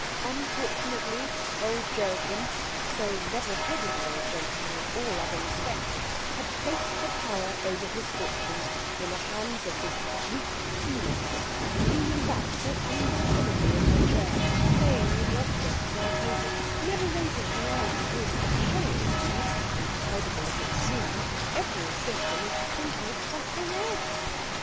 Unfortunately, old Joachim, so level headed an old gentleman in all other respects, had placed the power over his fortunes in the hands of this weak female leaning back so unbecomingly in her chair, playing with the objects on the table, never raising her eyes to his, and showing indeed, incredible as it seemed, every symptom of thinking of something else.